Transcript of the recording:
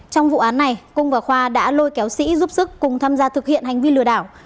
trong vụ án này cung và khoa đã lôi kéo sĩ giúp sức cùng tham gia thực hiện hành vi lừa đảo